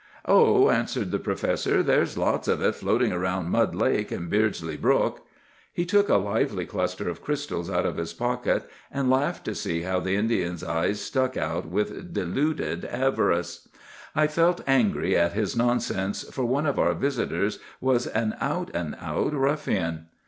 "'Oh,' answered the professor, 'there's lots of it floating round Mud Lake and Beardsley Brook.' He took a lovely cluster of crystals out of his pocket, and laughed to see how the Indians' eyes stuck out with deluded avarice. I felt angry at his nonsense, for one of our visitors was an out and out ruffian.